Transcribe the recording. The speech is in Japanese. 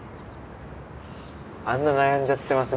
あんな悩んじゃってます